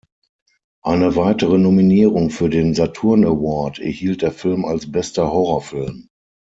Eine weitere Nominierung für den "Saturn Award" erhielt der Film als "Bester Horrorfilm".